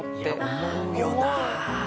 思うよなあ！